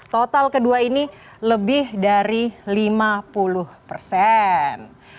total kedua ini lebih dari lima puluh persen